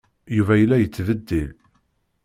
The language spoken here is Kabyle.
Yuba yella yettbeddil.